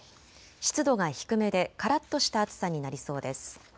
湿度が低めでからっとした暑さになりそうです。